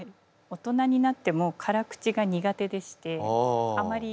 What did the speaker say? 大人になっても辛口が苦手でしてあまり。